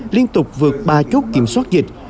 liên tục vượt ba chốt kiểm soát dịch